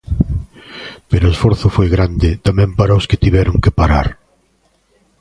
Pero o esforzo foi grande tamén para os que tiveron que parar.